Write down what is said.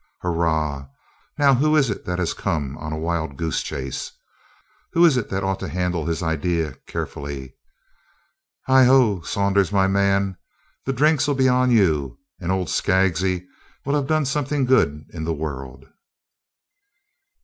Hurrah! Now, who is it that has come on a wild goose chase? Who is it that ought to handle his idea carefully? Heigho, Saunders my man, the drinks 'll be on you, and old Skaggsy will have done some good in the world."